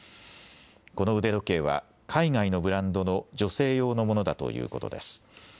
この腕時計は、海外のブランドの女性用のものだということです。